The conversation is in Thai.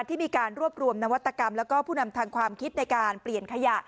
ที่มีการรวบรวมนวัตกรรมแล้วก็ผู้นำทางความคิดในการเปลี่ยนขยะ